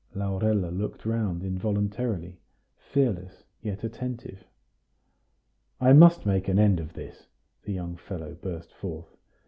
Laurella looked round involuntarily fearless, yet attentive. "I must make an end of this," the young fellow burst forth.